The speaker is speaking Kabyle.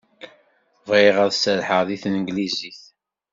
Bɣiɣ ad serrḥeɣ deg tanglizit.